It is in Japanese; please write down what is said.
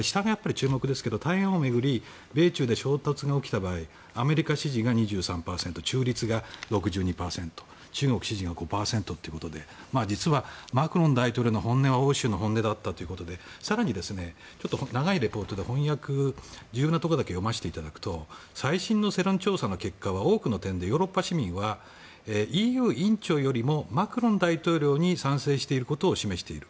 それから、台湾を巡り米中で衝突が起きた場合アメリカ支持が２３％中立が６２％中国支持が５％ということで実はマクロン大統領の本音は欧州の本音だったということと長いレポートでしたので重要なところだけ読むと最近の世論調査の多くの点でヨーロッパ市民はＥＵ委員長よりもマクロン大統領に賛成していることを示している。